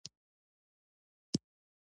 د خپل رژیم د پایښت لپاره ضرور ګڼي.